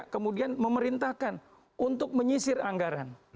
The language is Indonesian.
kemudian memerintahkan untuk menyisir anggaran